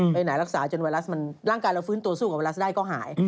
ไปไหนรักษาจนไวรัสมันร่างกายเราฟื้นตัวสู้กับไวรัสได้ก็หาย